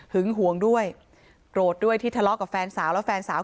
หึงหวงด้วยโรธด้วยที่ทะเลาะกับแฟนสาว